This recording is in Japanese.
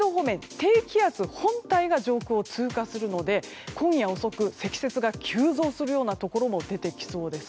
低気圧本体が上空を通過するので、今夜遅く積雪が急増するようなところも出てきそうです。